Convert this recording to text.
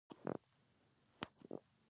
توپک د عقل غږ نه پېژني.